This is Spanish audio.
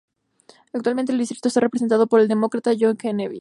Actualmente el distrito está representado por el Demócrata Joe Kennedy.